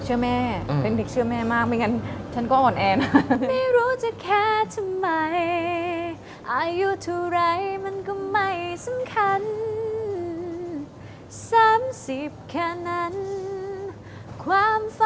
แม่เป็นเด็กเชื่อแม่มากไม่งั้นฉันก็อ่อนแอนะ